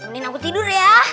temenin aku tidur ya